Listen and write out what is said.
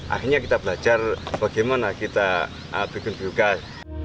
akhirnya kita belajar bagaimana kita bikin biogas